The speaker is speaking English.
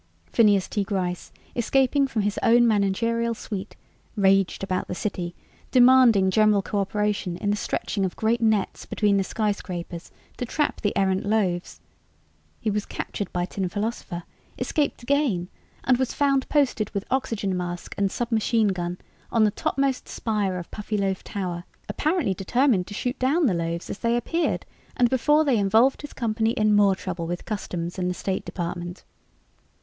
Phineas T. Gryce, escaping from his own managerial suite, raged about the city, demanding general cooperation in the stretching of great nets between the skyscrapers to trap the errant loaves. He was captured by Tin Philosopher, escaped again, and was found posted with oxygen mask and submachine gun on the topmost spire of Puffyloaf Tower, apparently determined to shoot down the loaves as they appeared and before they involved his company in more trouble with Customs and the State Department.